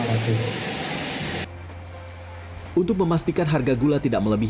dengan kondisi tersebut diakini harga dari produsen sampai ke konsumen